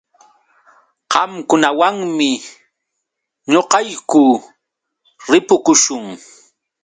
Qamkunawanmi ñuqayku ripukuśhun.